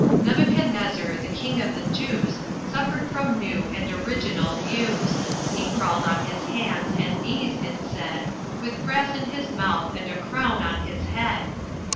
"Nebuchadnezzar, the King of the Jews, Suffered from new and original views, He crawled on his hands and knees it's said, With grass in his mouth and a crown on his head.